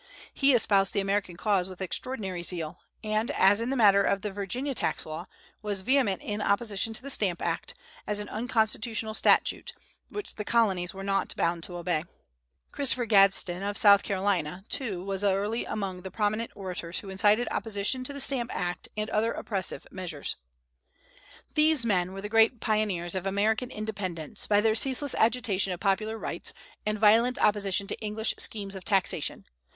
He espoused the American cause with extraordinary zeal, and as in the matter of the Virginia tax law, was vehement in opposition to the Stamp Act, as an unconstitutional statute, which the Colonies were not bound to obey. Christopher Gadsden, of So. Carolina, too, was early among the prominent orators who incited opposition to the Stamp Act and other oppressive measures. These men were the great pioneers of American Independence, by their ceaseless agitation of popular rights, and violent opposition to English schemes of taxation.